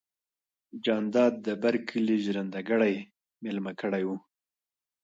جانداد د بر کلي ژرندګړی ميلمه کړی و.